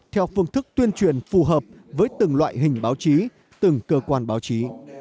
theo phương thức tuyên truyền phù hợp với từng loại hình báo chí từng cơ quan báo chí